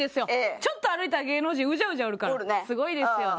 ちょっと歩いたら芸能人うじゃうじゃおるからすごいですよね。